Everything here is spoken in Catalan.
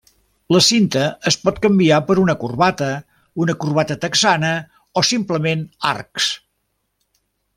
La cinta es pot canviar per una corbata, una corbata texana o simplement arcs.